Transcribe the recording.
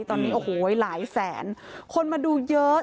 ตอนนี้โอ้โหหลายแสนคนมาดูเยอะ